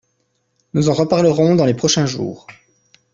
Nous en reparlerons dans les prochains jours.